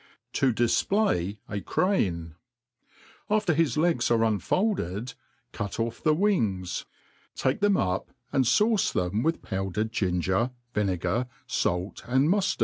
To difplay a Crane, AFTER his legs are unfolded, cut off £he wings ; take fhem^up, and fauce them with powdered ginger, vinegar, fait, and muftard.